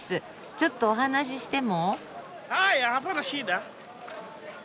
ちょっとお話ししても？